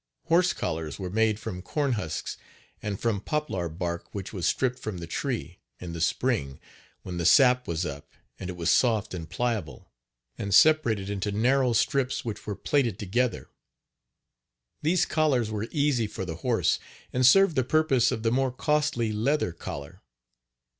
Horse collars were made from corn husks and from poplar bark which was stripped from the tree, in the spring, when the sap was up and it was soft and pliable, and separated into narrow strips which were plaited together. These collars were easy for the horse, and served the purpose of the more costly leather collar.